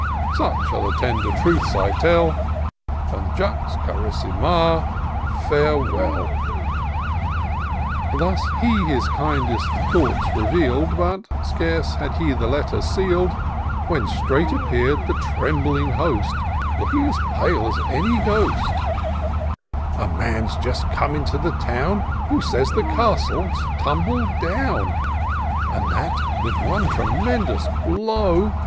Such are the tender truths I tell ; Conjux carissima — farewell !" Thus he his kindest thoughts reveal'd — But scarce had he the letter seal'd, When straight appeared the trembling host, Looking as pale as any ghost :—" A man's just come into the town. Who says the castle's tumbled down, And that, with one tremendous blow.